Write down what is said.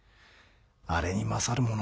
あれに勝るもの